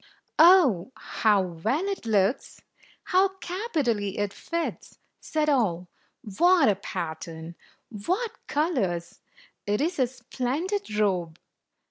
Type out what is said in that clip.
"Oh, how well it looks! How capitally it fits!" said all. " What a pattern ! What colors! It is a splendid robe!"